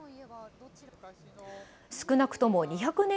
少なくとも２００年